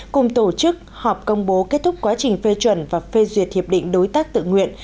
cùng tổ chức họp công bố kết thúc quá trình phê chuẩn và phê duyệt hiệp định đối tác tự nguyện